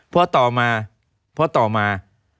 พอต่อมา